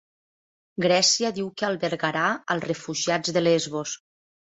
Grècia diu que albergarà als refugiats de Lesbos